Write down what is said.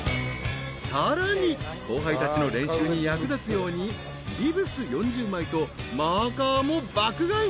［さらに後輩たちの練習に役立つようにビブス４０枚とマーカーも爆買い］